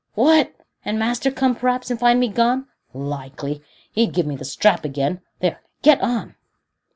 "What, and master come, p'raps, and find me gone! Likely! he'd give me the strap again. There, get on."